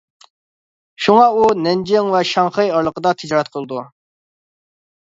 شۇڭا ئۇ، نەنجىڭ ۋە شاڭخەي ئارىلىقىدا تىجارەت قىلىدۇ.